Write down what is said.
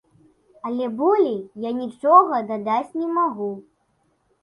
Але болей я нічога дадаць не магу.